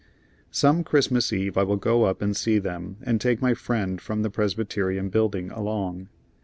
Some Christmas Eve I will go up and see them and take my friend from the Presbyterian Building along.